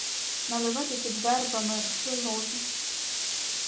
На леваді під вербами росли лози.